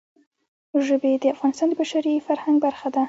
ژبې د افغانستان د بشري فرهنګ برخه ده.